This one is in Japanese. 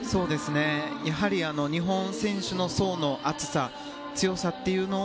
やはり日本選手の層の厚さ強さというのを